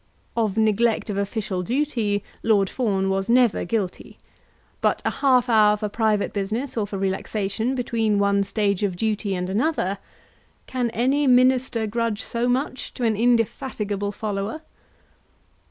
Of neglect of official duty Lord Fawn was never guilty; but a half hour for private business or for relaxation between one stage of duty and another, can any Minister grudge so much to an indefatigable follower?